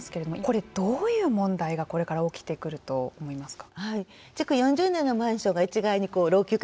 これどういう問題がこれから起きてくると思いますか。